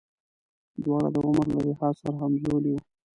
دواړه د عمر له لحاظه سره همزولي وو.